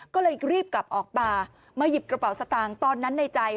ก็เลยรีบกลับออกมามาหยิบกระเป๋าสตางค์ตอนนั้นในใจ